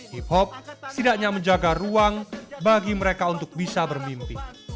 hip hop setidaknya menjaga ruang bagi mereka untuk bisa bermimpi